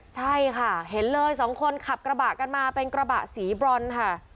ใช่ค่ะเห็นเลยสองคนขับกระบะกันมาเป็นกระบะสีบรอนค่ะ